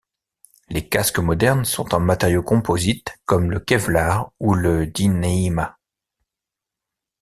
Les casques modernes sont en matériaux composites comme le Kevlar ou le Dyneema.